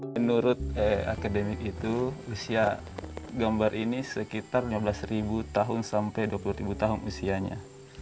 menurut akademik itu usia gambar ini sekitar lima belas tahun sampai dua puluh tahun usianya